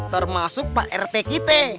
termasuk pak rt kita